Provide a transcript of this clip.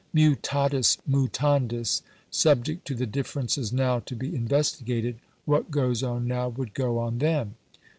Mutatis mutandis, subject to the differences now to be investigated, what goes on now would go on then.